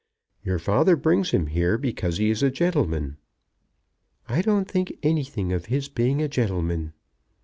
Your father brings him here because he is a gentleman." "I don't think anything of his being a gentleman."